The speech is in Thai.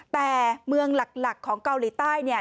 แต่เมืองหลักของเกาหลีใต้